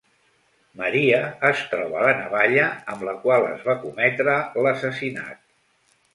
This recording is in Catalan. Maria es troba la navalla amb la qual es va cometre l'assassinat.